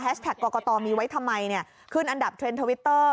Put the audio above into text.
แฮชแท็กเกาะเกาะตอมีไว้ทำไมขึ้นอันดับเทรนด์ทวิตเตอร์